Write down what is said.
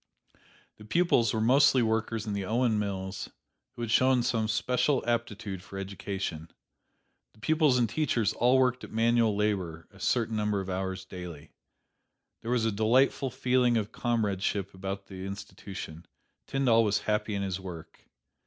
The pupils were mostly workers in the Owen mills who had shown some special aptitude for education. The pupils and teachers all worked at manual labor a certain number of hours daily. There was a delightful feeling of comradeship about the institution. Tyndall was happy in his work.